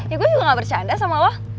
ya gue juga ga bercanda sama lo